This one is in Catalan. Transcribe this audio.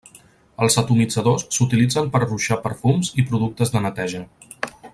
Els atomitzadors s'utilitzen per a ruixar perfums i productes de neteja.